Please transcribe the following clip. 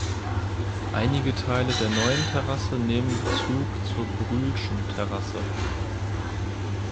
Einige Teile der Neuen Terrasse nehmen Bezug zur Brühlschen Terrasse.